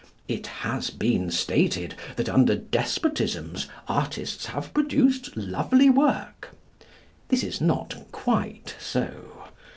It has been stated that under despotisms artists have produced lovely work. This is not quite so.